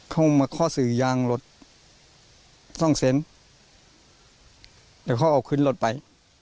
เข้ามาข้อสื่อยางรถสองเซนเดี๋ยวเขาเอาขึ้นรถไป